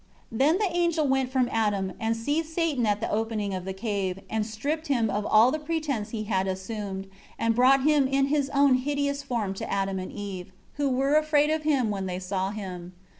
13 Then the angel went from Adam and seized Satan at the opening of the cave, and stripped him of the pretense he had assumed, and brought him in his own hideous form to Adam and Eve; who were afraid of him when they saw him.